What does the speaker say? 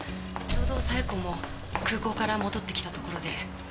ちょうど冴子も空港から戻ってきたところで。